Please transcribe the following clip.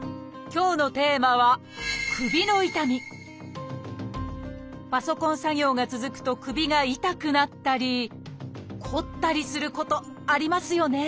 今日のテーマはパソコン作業が続くと首が痛くなったり凝ったりすることありますよね？